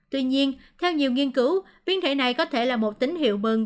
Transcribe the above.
tuy nhiên theo nhiều nghiên cứu biến thể này có thể là một tín hiệu mừng